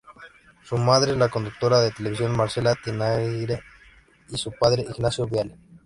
Su madre es la conductora de televisión Marcela Tinayre y su padre Ignacio Viale.